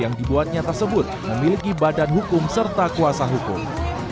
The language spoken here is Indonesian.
yang dibuatnya tersebut memiliki badan hukum serta kuasa hukum